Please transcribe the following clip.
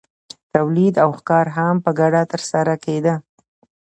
تولید او ښکار هم په ګډه ترسره کیده.